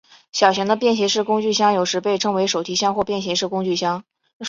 小型的便携式工具箱有时被称为手提箱或便携式工具箱。